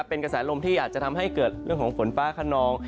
เป็นกระแสลมที่จะทำให้เกิดฝนฟ้างนอง